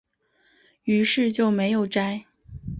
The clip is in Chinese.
於是就没有摘